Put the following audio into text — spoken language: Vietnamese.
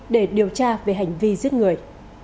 để điều tra về hành vi giết người